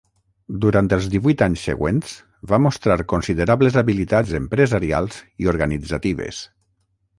Durant els divuit anys següents, va mostrar considerables habilitats empresarials i organitzatives.